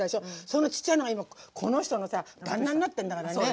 そのちっちゃいのが今この人のさ旦那になってんだからね。